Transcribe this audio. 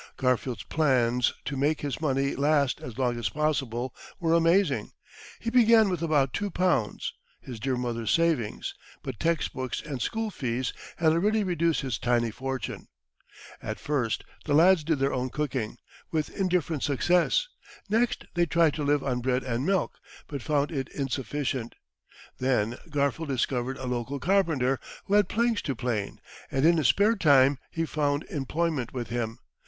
Garfield's plans to make his money last as long as possible were amazing. He began with about two pounds, his dear mother's savings, but text books and school fees had already reduced his tiny fortune. At first the lads did their own cooking, with indifferent success. Next they tried to live on bread and milk, but found it insufficient. Then Garfield discovered a local carpenter who had planks to plane, and in his spare time he found employment with him.